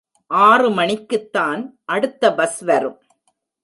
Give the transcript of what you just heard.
ஆறு மணிக்குத் தான் அடுத்த பஸ் வரும்.